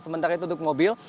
sementara itu untuk mobil